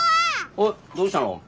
おっどうしたの？